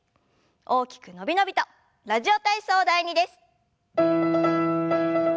大きく伸び伸びと「ラジオ体操第２」です。